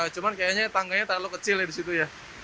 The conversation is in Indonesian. cuman kayaknya tangganya terlalu kecil ya di situ ya